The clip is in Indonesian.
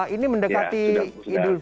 ini mendekati idul fitri